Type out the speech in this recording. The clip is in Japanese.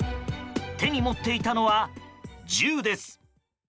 手に持っていたのは銃です。